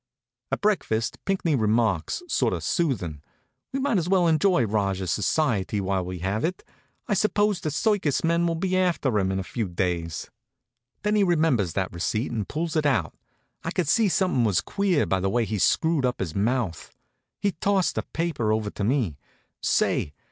At breakfast Pinckney remarks, sort of soothin': "We might as well enjoy Rajah's society while we have it. I suppose those circus men will be after him in a few days." Then he remembers that receipt and pulls it out. I could see something was queer by the way he screwed up his mouth. He tosses the paper over to me. Say!